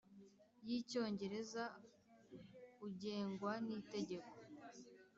y icyongereza ugengwa n Itegeko